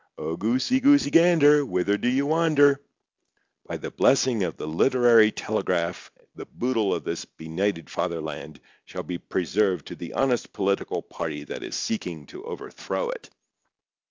Oh, goosey, goosey, gander, whither do you wander? By the blessing of the literary telegraph the boodle of this benighted fatherland shall be preserved to the honest political party that is seeking to overthrow it."